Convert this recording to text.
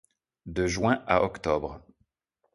De juin à octobre.